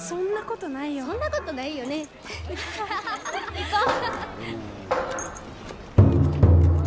行こう！